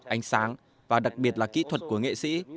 ánh sáng và đặc biệt là kỹ thuật của nghệ sĩ